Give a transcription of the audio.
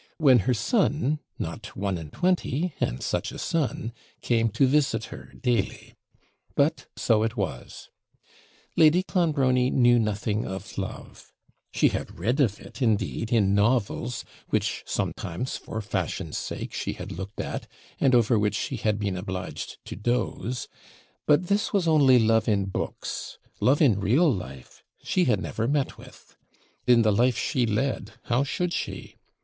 when her son, not one and twenty and such a son! came to visit her daily. But, so it was. Lady Clonbrony knew nothing of love she had read of it, indeed, in novels, which sometimes for fashion's sake she had looked at, and over which she had been obliged to doze; but this was only love in books love in real life she had never met with in the life she led, how should she?